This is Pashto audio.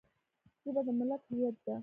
ژبه د ملت هویت دی